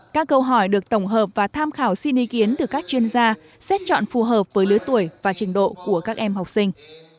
các câu hỏi được tổng hợp và tham khảo xin ý kiến từ các chuyên gia xét chọn phù hợp với lứa tuổi và trình độ của các em học sinh